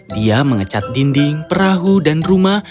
dia mengecat dinding perahu dan rumah